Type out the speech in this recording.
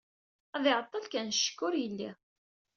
Ad iɛeṭṭel kan, ccekk ur yelli.